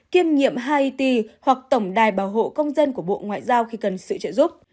kiêm nhiệm hait hoặc tổng đài bảo hộ công dân của bộ ngoại giao khi cần sự trợ giúp